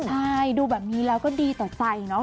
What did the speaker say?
ใช่ดูแบบนี้แล้วก็ดีต่อใจเนาะ